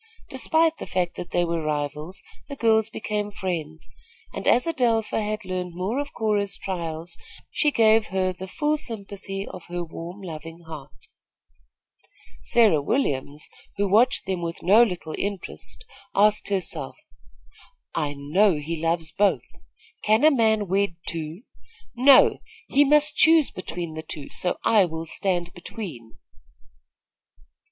Despite the fact that they were rivals, the girls became friends, and as Adelpha had learned more of Cora's trials, she gave her the full sympathy of her warm, loving heart. Sarah Williams, who watched them with no little interest, asked herself: "I know he loves both. Can a man wed two? No; he must choose between the two, so I will stand between."